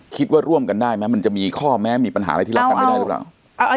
คิดว่าร่วมกันได้ไหมมันจะมีข้อแม้มีปัญหาอะไรที่รับกันไม่ได้หรือเปล่า